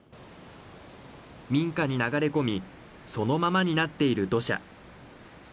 民家に流れ込み、そのままになっている土砂。